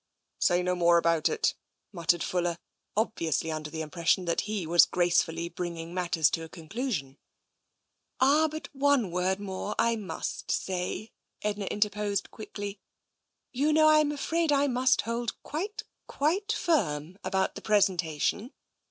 ''" Say no more about it," muttered Fuller, obviously under the impression that he was gracefully bringing matters to a conclusion. " Ah, but one word more I must say," Edna inter posed quickly. " You know, I'm afraid I must hold quite, quite firm about the presentation.